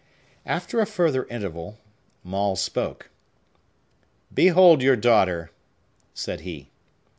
After a further interval, Maule spoke. "Behold your daughter," said he.